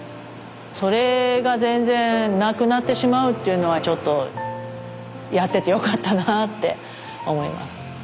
それが全然なくなってしまうっていうのはちょっとやっててよかったなあって思います。